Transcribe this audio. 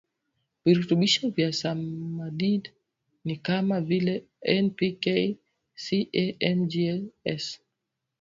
virutubisho vya samadid ni kama vile N P K Ca Mg S